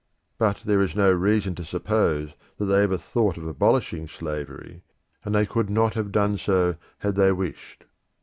But there is no reason to suppose that they ever thought of abolishing slavery, and they could not have done so had they wished.